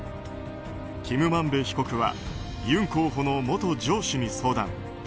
キム・マンベ被告はユン候補の元上司に相談。